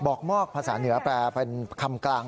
อกมอกภาษาเหนือแปลเป็นคำกลาง